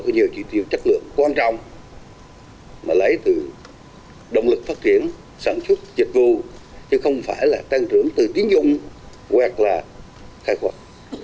có nhiều trị tiêu chất lượng quan trọng mà lấy từ động lực phát triển sản xuất dịch vụ chứ không phải là tăng trưởng từ tiến dụng hoặc là khai quật